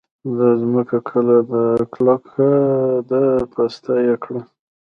دا ځمکه کلکه ده؛ پسته يې کړه.